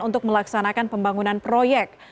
untuk melaksanakan pembangunan proyek